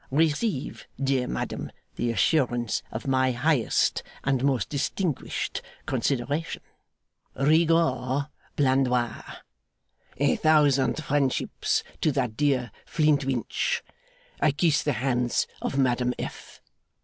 'Receive, dear madam, the assurance of my highest and most distinguished consideration, 'RIGAUD BLANDOIS. 'A thousand friendships to that dear Flintwinch. 'I kiss the hands of Madame F.